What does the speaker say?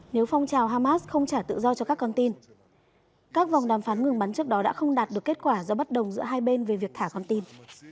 nếu phong trào hamas không trả tự do cho các con tin các vòng đàm phán ngừng bắn trước đó đã không đạt được kết quả do bất đồng giữa hai bên về việc thả con tin